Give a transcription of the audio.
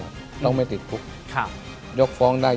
ต้องไม่ติดพุก